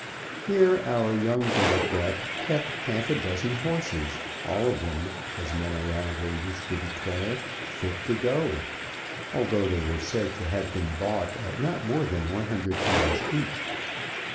Here our young democrat kept half a dozen horses, all of them as men around were used to declare fit to go, although they were said to have been bought at not more than £100 each.